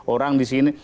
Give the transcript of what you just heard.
orang di sini